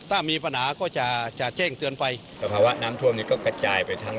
ถ้ามีปัญหาก็จะจะแจ้งเตือนไปสภาวะน้ำท่วมนี้ก็กระจายไปทั้ง